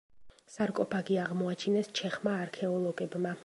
სარკოფაგი აღმოაჩინეს ჩეხმა არქეოლოგებმა.